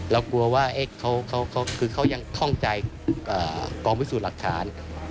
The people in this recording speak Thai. แล้วกลัวว่าเขายังฆ่าวันต้นใจของกองวิสูจน์หลักฐาน